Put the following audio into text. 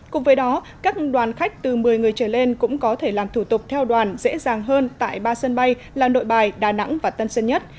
cùng với đó các đoàn khách từ một mươi người trở lên cũng có thể làm thủ tục theo đoàn dễ dàng hơn tại ba sân bay là nội bài đà nẵng và tân sơn nhất